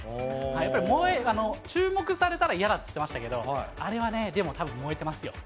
やっぱり、注目されたら嫌だって言ってましたけど、あれはね、たぶん燃えてますよ。